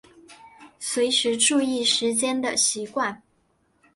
随时注意时间的习惯